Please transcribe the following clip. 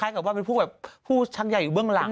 คล้ายกับว่าเป็นผู้ชักใยอยู่เบื้องหลัง